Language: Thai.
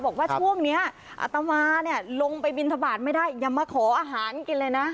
บอกว่าช่วงนี้อัตมาเนี่ยลงไปบินทบาทไม่ได้อย่ามาขออาหารกินเลยนะ